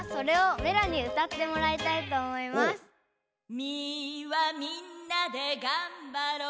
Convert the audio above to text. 「ミはみんなでがんばろう」